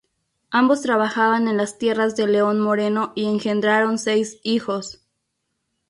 Ambos trabajaban en las tierras de León Moreno y engendraron seis hijos.